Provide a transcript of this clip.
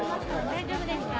大丈夫ですか？